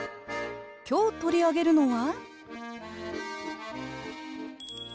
今日取り上げるのは？